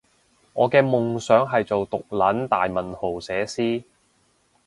我嘅夢想係做毒撚大文豪寫詩